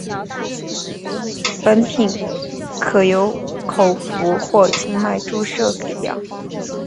本品可由口服或静脉注射给药。